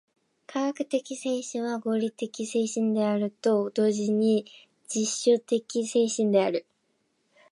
科学的精神は合理的精神であると同時に実証的精神である。